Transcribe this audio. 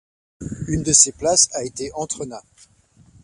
Une de ces places a été Entrena.